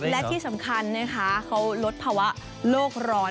และที่สำคัญนะคะเขาลดภาวะโลกร้อน